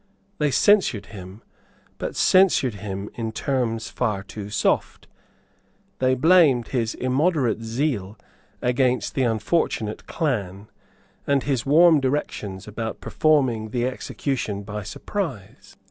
They censured him, but censured him in terms far too soft. They blamed his immoderate zeal against the unfortunate clan, and his warm directions about performing the execution by surprise.